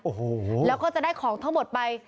โอ้โหแล้วก็จะได้ของทั้งหมดไป